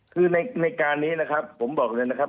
คือในการนี้นะครับผมบอกเลยนะครับ